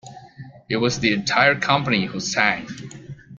It was the entire company who sang.